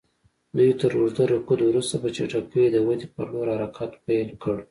دوی تر اوږده رکود وروسته په چټکۍ د ودې پر لور حرکت پیل کړ.